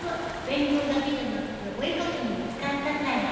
勉強だけじゃなくてお絵描きにも使ったから。